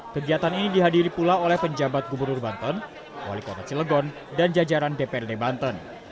kegiatan ini dihadiri pula oleh penjabat gubernur banten wali kota cilegon dan jajaran dprd banten